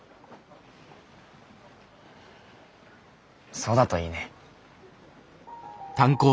そうだといいね。